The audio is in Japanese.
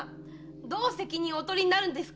どう責任をお取りになるのですか